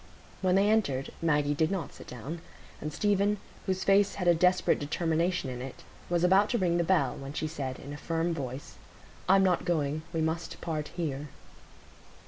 When they entered, Maggie did not sit down, and Stephen, whose face had a desperate determination in it, was about to ring the bell, when she said, in a firm voice,— "I'm not going; we must part here."